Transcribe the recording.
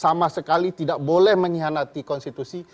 sama sekali tidak boleh menyianati konstitusi